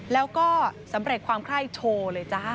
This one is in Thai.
แล้วก็สำเร็จความไคร้โชว์เลยจ้า